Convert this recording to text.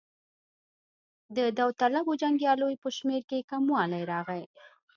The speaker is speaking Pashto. د داوطلبو جنګیالیو په شمېر کې کموالی راغی.